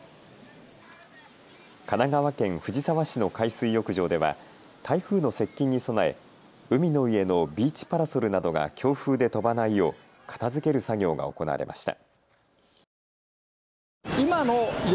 神奈川県藤沢市の海水浴場では台風の接近に備え、海の家のビーチパラソルなどが強風で飛ばないよう片づける作業が行われました。